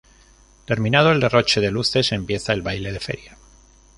Terminado el derroche de luces, empieza el baile de feria.